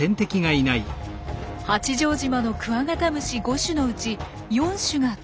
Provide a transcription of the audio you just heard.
八丈島のクワガタムシ５種のうち４種が飛べません。